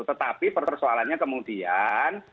tetapi persoalannya kemudian